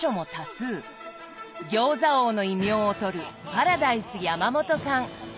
「餃子王」の異名をとるパラダイス山元さん。